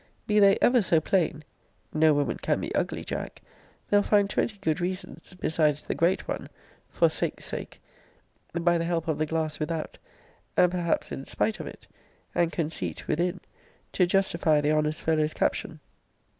Be they ever so plain [no woman can be ugly, Jack!] they'll find twenty good reasons, besides the great one (for sake's sake) by the help of the glass without (and perhaps in spite of it) and conceit within, to justify the honest fellow's caption.